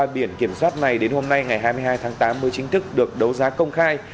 biển kiểm soát này đến hôm nay ngày hai mươi hai tháng tám mới chính thức được đấu giá công khai